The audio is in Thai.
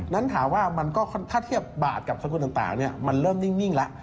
นั้นถามว่ามันก็ถ้าเทียบบาทกับสกุลต่างมันเริ่มนิ่งแล้ว